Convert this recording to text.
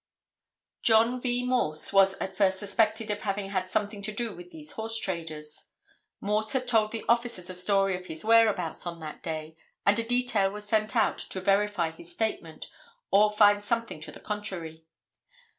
John V. Morse was at first suspected of having had something to do with these horse traders. Morse had told the officers a story of his whereabouts on that day, and a detail was sent out to verify his statement or find something to the contrary.